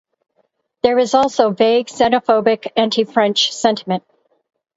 There was also vague, xenophobic, anti-French sentiment.